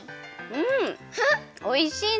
うんおいしいね！